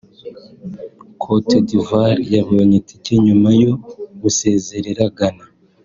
Côte d’Ivoire yabonye tike nyuma yo gusezerera Ghana